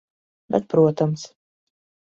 Bet protams.